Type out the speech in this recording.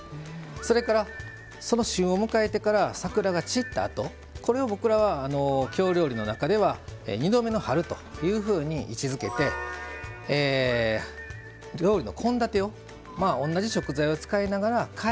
それからその旬を迎えてから桜が散ったあとこれを僕らは京料理の中では「２度目の春」というふうに位置づけて料理の献立をまあ同じ食材を使いながら変えると。